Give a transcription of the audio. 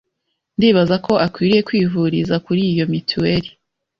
ndibaza ko akwiriye kwivuriza kuri iyo mituweli.